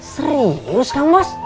serius kang bos